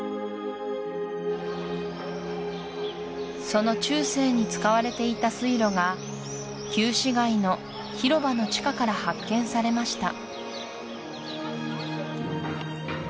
その中世に使われていた水路が旧市街の広場の地下から発見されました